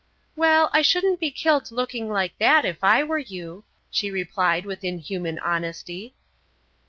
"Well, I shouldn't be killed looking like that if I were you," she replied, with inhuman honesty.